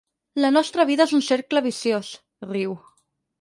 La nostra vida és un cercle viciós —riu—.